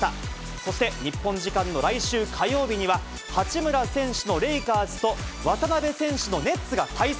そして日本時間の来週火曜日には、八村選手のレイカーズと渡邊選手のネッツが対戦。